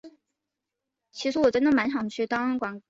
今天所有的西方发达国家都依赖于全球经济。